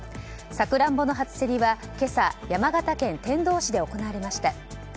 サクランボの初競りは今朝山形県天童市で行われました。